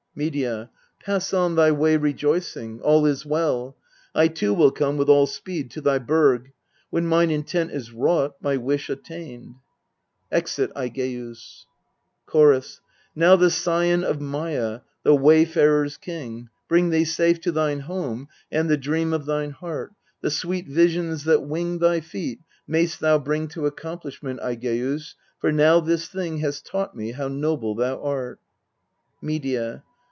Medea. Pass on thy way rejoicing : all is well. I too will come with all speed to thy burg, When mine intent is wrought, my wish attained.. [Exit AIGEUS. Chorus. Now the Scion of Maia, the Wayfarer's King, Bring thee safe to thine home, and the dream of thine heart, The sweet visions that wing thy feet, mayst thou bring To accomplishment, Aigeus, for now this thing Hath taught me how noble thou art. Medea.